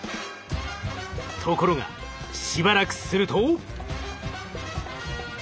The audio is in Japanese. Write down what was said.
ところがしばらくすると。